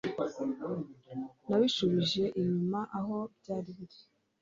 Nabisubije inyuma aho byari biri.